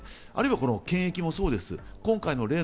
あるいは検疫もそうです。